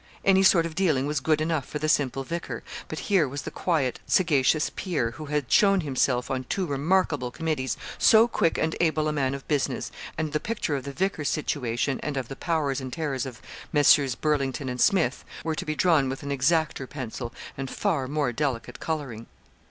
Any sort of dealing was good enough for the simple vicar; but here was the quiet, sagacious peer, who had shown himself, on two remarkable committees, so quick and able a man of business, and the picture of the vicar's situation, and of the powers and terrors of Messrs. Burlington and Smith, were to be drawn with an exacter pencil, and far more delicate colouring.